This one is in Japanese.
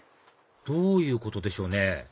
どういうことでしょうね？